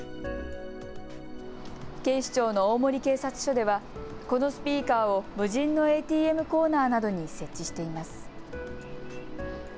警視庁の大森警察署ではこのスピーカーを無人のＡＴＭコーナーなどに設置しています。